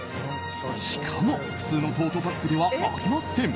しかも普通のトートバッグではありません。